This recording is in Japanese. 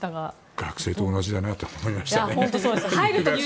学生は大変だなと思いましたね。